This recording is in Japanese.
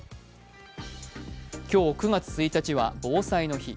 今日９月１日は防災の日。